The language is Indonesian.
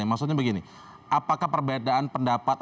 apakah perbedaan pendapat